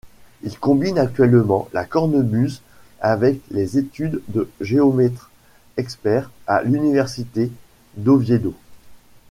Il combine actuellement la cornemuse avec les études de Géomètre-Expert à l'Université d'Oviedo.